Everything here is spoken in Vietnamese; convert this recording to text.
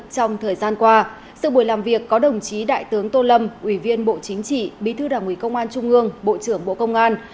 trong thời gian qua sự buổi làm việc có đồng chí đại tướng tô lâm ủy viên bộ chính trị bí thư đảng ủy công an trung ương bộ trưởng bộ công an